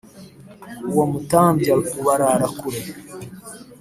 Uwo mutambya ubarara kure.